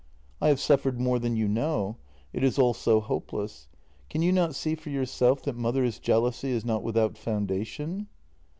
" I have suffered more than you know. It is all so hopeless. Can you not see for yourself that mother's jealousy is not without founda tion?